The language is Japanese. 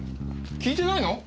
聞いてないの？